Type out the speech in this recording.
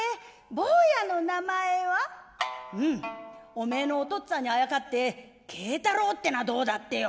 おめえのお父っつぁんにあやかって敬太郎ってなどうだってよ」。